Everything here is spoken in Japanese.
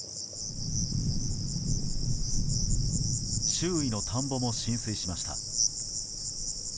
周囲の田んぼも浸水しました。